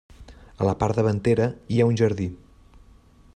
A la part davantera hi ha un jardí.